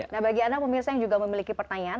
nah bagi anda pemirsa yang juga memiliki pertanyaan